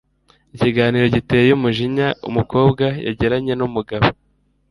Ikiganiro giteye umujinya umukobwa yagiranye n'umugabo